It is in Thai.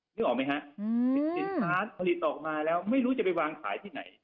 ถือเป็นเฉพาะสินค้าผลิตออกมาแล้วไม่รู้จะไปวางขายที่ไหน